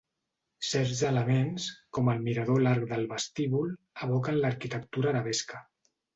Certs elements, com el mirador o l'arc del vestíbul, evoquen l'arquitectura arabesca.